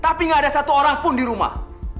tapi nggak ada satu orang pun di rumah